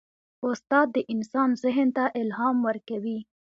استاد د انسان ذهن ته الهام ورکوي.